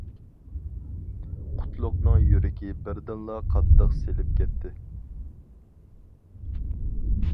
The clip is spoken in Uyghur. قۇتلۇقنىڭ يۈرىكى بىردىنلا قاتتىق سېلىپ كەتتى.